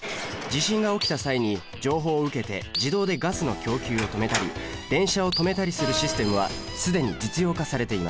地震が起きた際に情報を受けて自動でガスの供給を止めたり電車を止めたりするシステムは既に実用化されています。